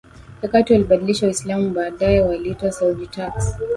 ya Kati walibadilisha Uislamu Baadaye waliitwa Seljuq Turks